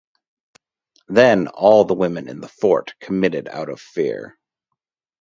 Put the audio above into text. Then all the women in the fort committed out of fear.